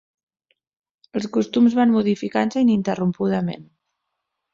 Els costums van modificant-se ininterrompudament.